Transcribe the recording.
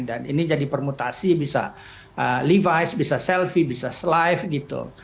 dan ini jadi permutasi bisa levi's bisa selfie bisa slide gitu